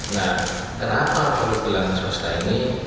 nah kenapa perlu bilang swasta ini